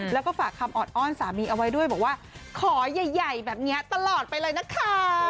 แล้วก็ฝากคำออดอ้อนสามีเอาไว้ด้วยบอกว่าขอใหญ่แบบนี้ตลอดไปเลยนะคะ